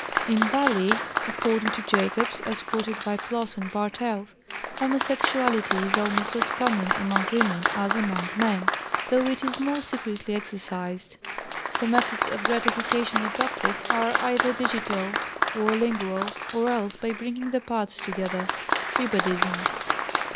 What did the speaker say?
In Bali, according to Jacobs (as quoted by Ploss and Bartels), homosexuality is almost as common among women as among men, though it is more secretly exercised; the methods of gratification adopted are either digital or lingual, or else by bringing the parts together (tribadism).